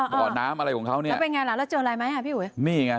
บ่อน้ำอะไรของเขาเนี่ยแล้วเป็นไงล่ะแล้วเจออะไรไหมอ่ะพี่อุ๋ยนี่ไง